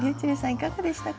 いかがでしたか？